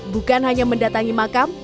bukan hanya mendatangi makam